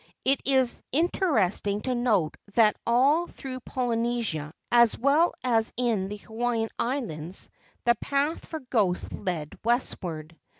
It is inter¬ esting to note that all through Polynesia as well as in the Hawaiian Islands the path for ghosts led westward.